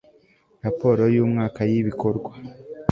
raporo y'umwaka y'ibikorwa